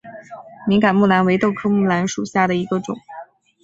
敏感木蓝为豆科木蓝属下的一个种。